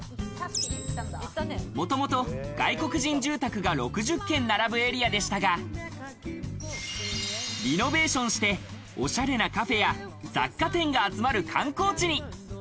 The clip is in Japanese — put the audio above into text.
もともと外国人住宅が６０軒並ぶエリアでしたが、リノベーションして、おしゃれなカフェや雑貨店が集まる観光地に。